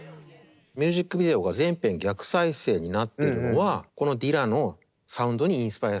ミュージックビデオが全編逆再生になってるのはこのディラのサウンドにインスパイアされたものなんです。